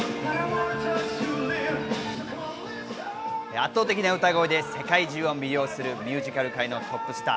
圧倒的な歌声で世界中を魅了するミュージカル界のトップスター。